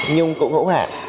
nhưng cũng hữu hạn